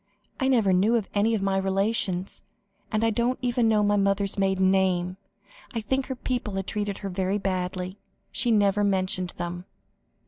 I never knew any of my relations, and I don't even know my mother's maiden name. I think her people had treated her very badly; she never mentioned them."